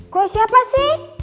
gue siapa sih